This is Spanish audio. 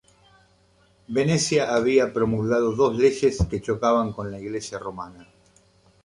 Venecia había promulgado dos leyes que chocaban con la iglesia romana.